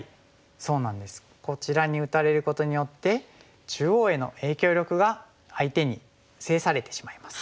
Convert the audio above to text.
こちらに打たれることによって中央への影響力が相手に制されてしまいます。